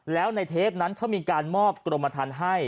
แล้วในเทปนั้นเขามีการมอบกรมฐานให้